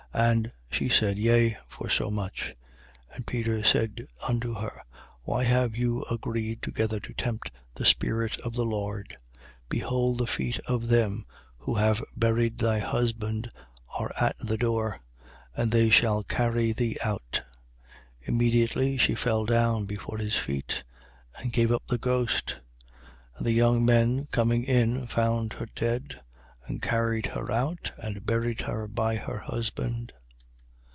And she said: Yea, for so much. 5:9. And Peter said unto her: Why have you agreed together to tempt the spirit of the Lord? Behold the feet of them who have buried thy husband are at the door: and they shall carry thee out, 5:10. Immediately, she fell down before his feet and gave up the ghost. And the young men coming in found her dead: and carried her out and buried her by her husband.